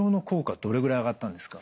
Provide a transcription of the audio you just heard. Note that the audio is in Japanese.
どれぐらい上がったんですか？